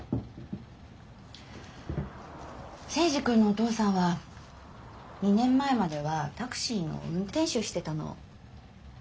征二君のお父さんは２年前まではタクシーの運転手してたの。